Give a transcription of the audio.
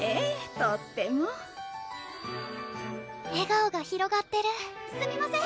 とっても笑顔が広がってる・すみません